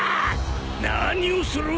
何をする！？